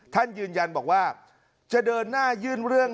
ท่านยืนยันบอกว่าจะเดินหน้ายื่นเรื่อง